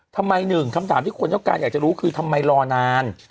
ทำไมหนึ่งคำถามที่คนต้องการอยากจะรู้คือทำไมรอนาน